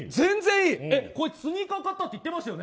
こいつスニーカー買ったって言ってましたよね。